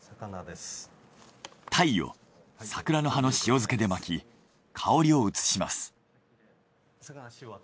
鯛を桜の葉の塩漬けで巻き香りを移します。